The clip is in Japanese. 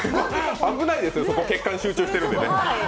危ないですよ、そこ血管集中してるんでね。